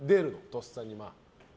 とっさに。